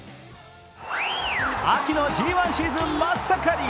秋のＧⅠシーズン真っ盛り。